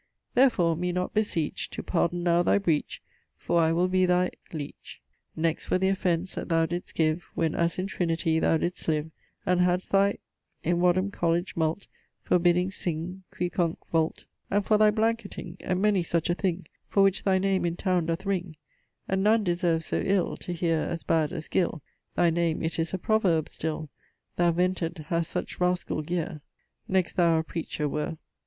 Therfore me not beseech To pardon now thy breech For I will be thy ... leech, ... leech. Next for the offense that thou didst give When as in Trinity thou didst live, And hadst thy ... in Wadham College mult For bidding sing Quicunque vult And for thy blanketting And many such a thing For which thy name in towne doth ring And none deserves so ill To heare as bad as Gill Thy name it is a proverb still, Thou vented hast such rascall geer. Next thou a preacher were.